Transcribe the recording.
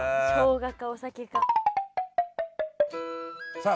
さあ